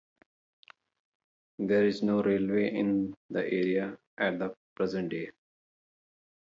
There is no railway in the area at the present day.